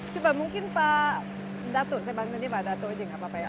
coba mungkin pak datuk saya panggilnya pak datuk aja gak apa apa ya